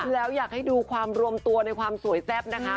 แล้วอยากให้ดูความรวมตัวในความสวยแซ่บนะคะ